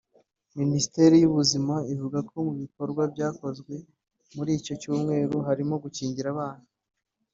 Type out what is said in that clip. Minisiteri y’ ubuzima ivuga mu bikorwa byakozwe muri icyo cyumweru harimo gukingira abana